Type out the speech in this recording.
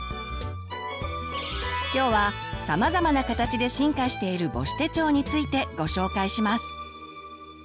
今日はさまざまな形で進化している母子手帳についてご紹介します。